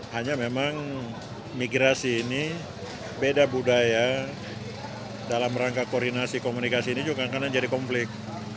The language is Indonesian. hanya memang migrasi ini beda budaya dalam rangka koordinasi komunikasi ini juga kadang kadang jadi konflik